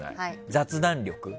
雑談力。